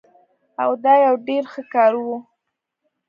او دا يو ډير ښه کار وو